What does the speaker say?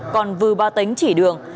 còn vư ba tính chỉ đường